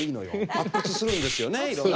発掘するんですよねいろいろ。